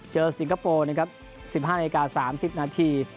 เจอสิงคโปร์๑๕นาที๓๐นาที